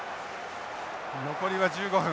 残りは１５分。